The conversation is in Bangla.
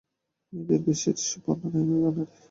মেয়েদের বেশের বর্ণনায় আমি আনাড়ি।